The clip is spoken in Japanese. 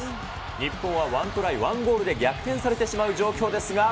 日本はワントライワンゴールで逆転されてしまう状況ですが。